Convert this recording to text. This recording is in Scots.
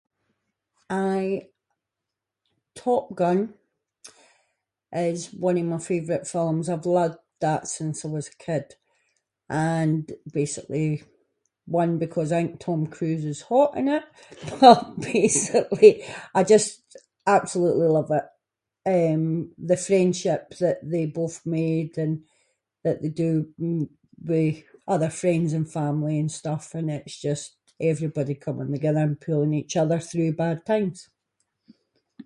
I- Top Gun is one of my favourite films, I’ve loved that since I was a kid, and basically one because I think Tom Cruise is hot in it but basically I just- I absolutely love it, eh, the friendship that they both made and that they do with other friends and family and stuff and it’s just everybody coming the-gither and pulling each other through bad times.